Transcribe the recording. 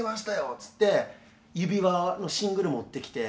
っつって「指輪」のシングル持ってきて。